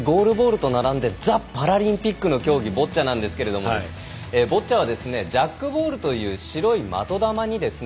ゴールボールと並んでザ・パラリンピックの競技ボッチャですがボッチャはジャックボールという白い的球にですね